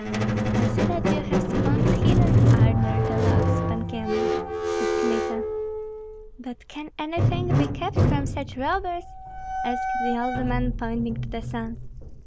"I see that you have spoons hidden under the logs, Pan Kyemlich," said Kmita. "But can anything be kept from such robbers!" asked the old man, pointing to the sons.